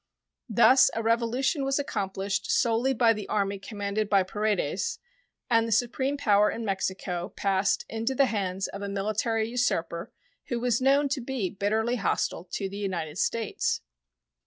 Thus a revolution was accomplished solely by the army commanded by Paredes, and the supreme power in Mexico passed into the hands of a military usurper who was known to be bitterly hostile to the United States.